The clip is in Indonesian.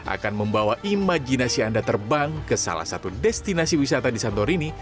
akan membawa imajinasi anda terbang ke salah satu destinasi wisata di santorini